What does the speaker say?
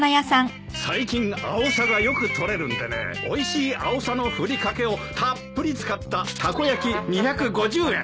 最近アオサがよく採れるんでねおいしいアオサのふりかけをたっぷり使ったたこ焼き２５０円。